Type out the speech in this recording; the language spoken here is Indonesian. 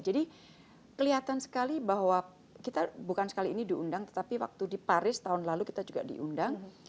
jadi kelihatan sekali bahwa kita bukan sekali ini diundang tetapi waktu di paris tahun lalu kita juga diundang